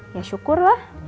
ya syukur lah